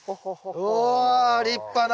うお立派な。